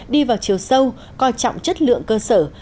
đi vào chiều sâu coi trọng chất lượng cơ sở